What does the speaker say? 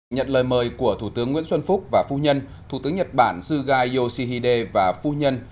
nhận lời mời của thủ tướng nguyễn xuân phúc và phu nhân thủ tướng nhật bản suga yoshihide và phu nhân